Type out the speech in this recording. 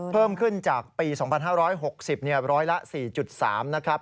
เพิ่มขึ้นจากปี๒๕๖๐ร้อยละ๔๓นะครับ